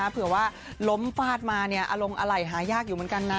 เผื่อว่าล้มฟาดมาอารมณ์อะไรหายากอยู่เหมือนกันนะ